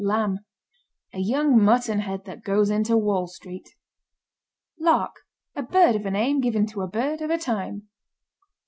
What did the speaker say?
LAMB. A young mutton head that goes into Wall Street. LARK. A bird of a name given to a bird of a time.